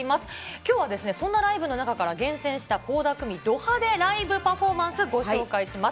きょうはそんなライブの中から厳選した倖田來未ド派手ライブパフォーマンス、ご紹介します。